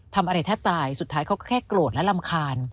ทำอะไรแทบตายสุดท้ายเขาแค่โกรธและรำคาญ